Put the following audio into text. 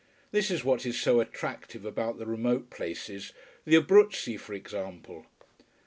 This is what is so attractive about the remote places, the Abruzzi, for example.